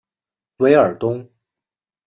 韦尔东。